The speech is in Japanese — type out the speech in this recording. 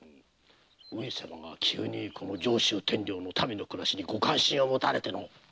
上様が急にこの上州天領の民の暮らしにご関心を持たれての。